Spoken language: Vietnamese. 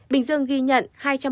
bình dương ghi nhận